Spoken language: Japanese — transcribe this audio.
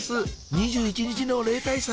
２１日の例大祭